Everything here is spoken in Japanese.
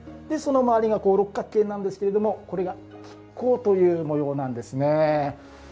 その周りが六角形なんですけれどもこれが亀甲という模様なんですね。